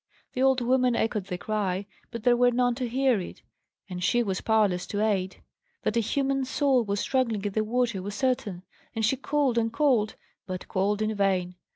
The old woman echoed the cry; but there were none to hear it, and she was powerless to aid. That a human soul was struggling in the water was certain; and she called and called, but called in vain.